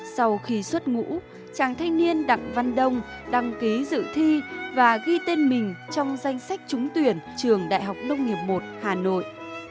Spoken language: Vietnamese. sau khi xuất ngũ chàng thanh niên đặng văn đông đăng ký dự thi và ghi tên mình trong danh sách trúng tuyển trường đại học đông nghiệp một hà nội